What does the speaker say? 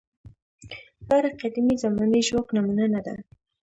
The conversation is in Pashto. لاره قدیمې زمانې ژواک نمونه نه ده.